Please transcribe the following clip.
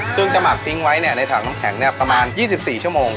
ซึ่งจะหมักทิ้งไว้ในถังน้ำแข็งประมาณ๒๔ชั่วโมง